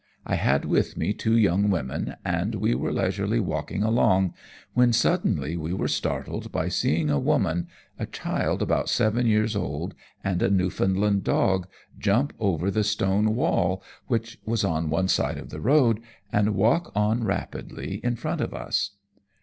I had with me two young women, and we were leisurely walking along, when suddenly we were startled by seeing a woman, a child about seven years old, and a Newfoundland dog jump over the stone wall which was on one side of the road, and walk on rapidly in front of us.